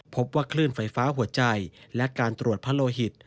พบว่าคลื่นไฟฟ้าหัวใจและการตรวจพะโลหิต